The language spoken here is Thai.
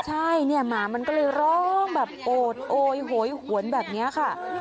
ใช่เนี่ยหมามันก็เลยร้องแบบโอดโอยโหยหวนแบบนี้ค่ะ